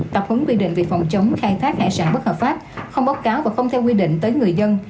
tập hấn quy định về phòng chống khai thác hải sản bất hợp pháp không báo cáo và không theo quy định tới người dân